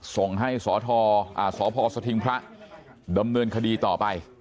ส่งให้สพสพสถิงพระดำเนินคดีต่อไป